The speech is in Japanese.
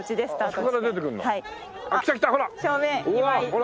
はい。